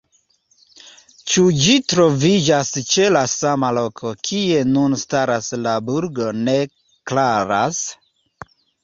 Ĉu ĝi troviĝis ĉe la sama loko kie nun staras la burgo ne klaras.